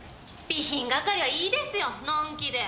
備品係はいいですよのんきで。